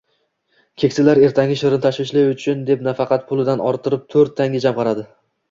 Keksalar ertaning shirin tashvishi uchun, deb nafaqa pulidan orttirib to`rt tanga jamg`aradi